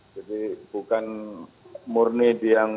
jadi bukan murni dianggap